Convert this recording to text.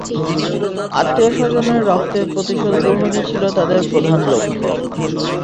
আত্মীয়-স্বজনের রক্তের প্রতিশোধ গ্রহণই ছিল তাদের প্রধান লক্ষ্য।